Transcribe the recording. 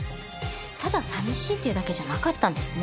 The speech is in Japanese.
ただ寂しいっていうだけじゃなかったんですね。